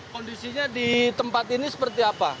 kondisinya di tempat ini seperti apa